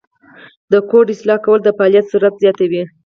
د کوډ اصلاح کول د فعالیت سرعت زیاتوي.